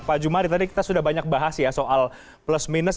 pak jumadi tadi kita sudah banyak bahas ya soal panduan